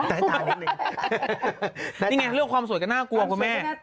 แล้วยังไงก็เรียกว่าความสวยก็น่ากลัวกคุณแม่